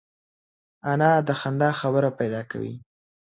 انا د خندا خبره پیدا کوي